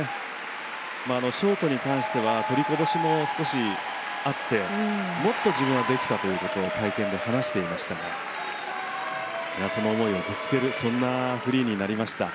ショートに関しては取りこぼしも少しあってもっと自分はできたということを会見で話していましたがその思いをぶつけるフリーになりました。